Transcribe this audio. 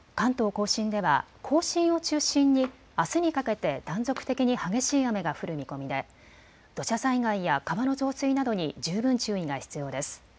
甲信では甲信を中心にあすにかけて断続的に激しい雨が降る見込みで土砂災害や川の増水などに十分注意が必要です。